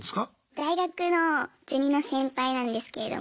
大学のゼミの先輩なんですけれども。